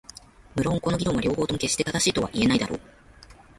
無論この議論は両方とも決して正しいとは言えないだろう。